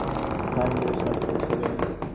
তিনি মাওলানা আশরাফ আলি থানভির ছাত্র ছিলেন।